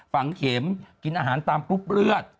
ฝังเข็มกินอาหารตามกรุ๊ปเลือด